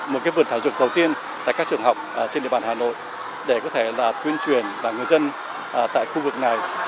một vườn thảo dược đầu tiên tại các trường học trên địa bàn hà nội để có thể là tuyên truyền và người dân tại khu vực này